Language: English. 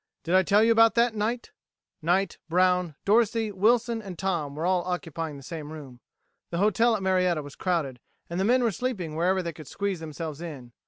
"Did I tell you about that, Knight?" Knight, Brown, Dorsey, Wilson, and Tom were all occupying the same room. The hotel at Marietta was crowded, and the men were sleeping wherever they could squeeze themselves in.